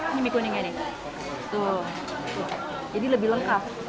ini mie kuningnya nih tuh jadi lebih lengkap